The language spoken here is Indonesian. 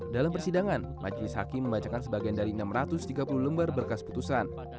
dalam persidangan majelis hakim membacakan sebagian dari enam ratus tiga puluh lembar berkas putusan